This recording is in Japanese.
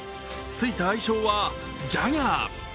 ついたあだ名はジャガー。